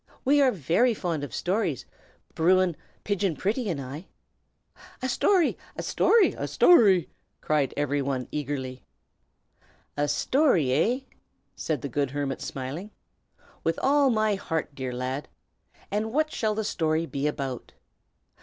We are very fond of stories, Bruin and Pigeon Pretty and I." "A story! a story!" cried every one, eagerly. "A story, hey?" said the good hermit, smiling. "With all my heart, dear lad! And what shall the story be about?"